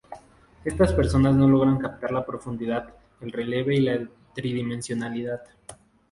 Estas personas no logran captar la profundidad, el relieve y la tridimensionalidad.